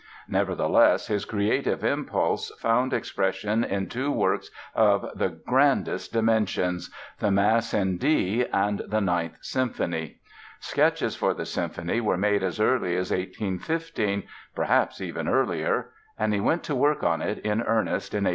Nevertheless his creative impulse found expression in two works of the grandest dimensions, the Mass in D and the Ninth Symphony. Sketches for the symphony were made as early as 1815—perhaps even earlier—and he went to work on it in earnest in 1817.